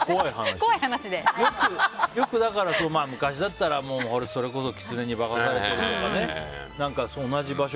よく、昔だったらそれこそキツネに化かされたとか同じ場所